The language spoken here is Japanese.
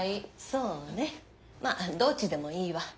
そうねまあどっちでもいいわ。